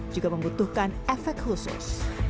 juga membutuhkan efek khusus